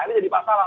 ini jadi masalah